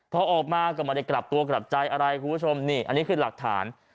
พอออกมาก็ไม่ได้กลับตัวกลับใจอะไรคุณผู้ชมนี่อันนี้คือหลักฐาน